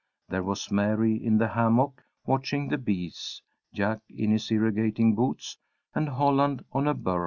There was Mary in the hammock watching the bees, Jack in his irrigating boots, and Holland on a burro.